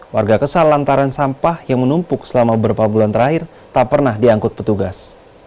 warga kesal lantaran sampah yang menumpuk selama beberapa bulan terakhir tak pernah diangkut petugas